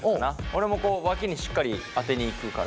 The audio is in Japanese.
俺もこうわきにしっかり当てにいくから。